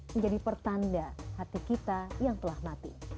menjadi pertanda hati kita yang telah mati